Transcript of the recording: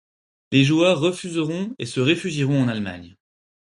Les joueurs refuseront et se réfugieront en Allemagne.